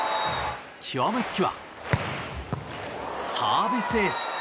極めつけはサービスエース。